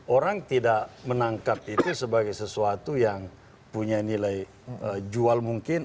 orang tidak menangkap itu sebagai sesuatu yang punya nilai jual mungkin